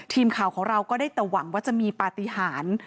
ทีมข่าวของเราก็ได้แต่หวังว่าจะมีปฏิหาร